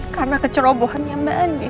karena kecerobohannya mbak andin